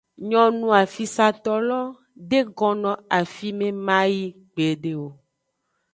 Nyonu afisato lo de gonno afime mayi gbede o.